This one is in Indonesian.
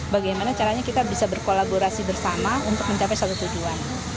bagaimana caranya kita bisa berkolaborasi bersama untuk mencapai satu tujuan